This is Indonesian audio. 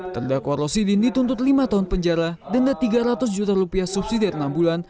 terdakwa rosidin dituntut lima tahun penjara denda tiga ratus juta rupiah subsidi dari enam bulan